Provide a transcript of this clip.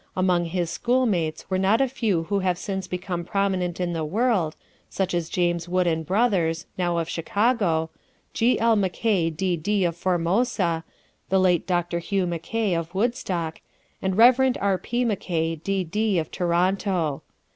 Among his schoolmates were not a few who have since become prominent in the world, such as James Wood & Brothers, now of Chicago, G. L. Mackay, D.D., of Formosa; the late Dr. Hugh Mackay, of Woodstock; and Rev. R. P. Mackay, D.D., of Toronto.